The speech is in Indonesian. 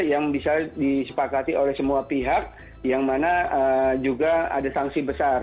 yang bisa disepakati oleh semua pihak yang mana juga ada sanksi besar